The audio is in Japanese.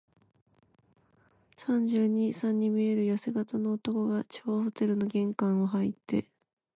三十二、三に見えるやせ型の男が、張ホテルの玄関をはいって、